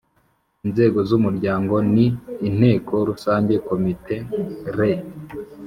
Inzego z umuryango ni Inteko Rusange Komite Les